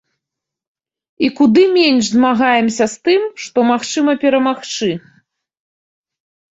І куды менш змагаемся з тым, што магчыма перамагчы.